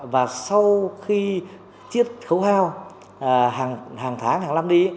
và sau khi chiếc khấu heo hàng tháng hàng năm đi